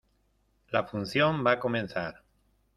La función va a comenzar.